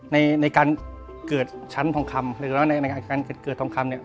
ในการเกิดชั้นทองคำหรือว่าในการเกิดทองคำเนี่ย